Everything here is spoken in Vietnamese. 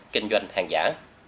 kinh doanh hàng giả